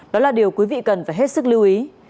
đó là điều quý vị cần phải hết sức lưu ý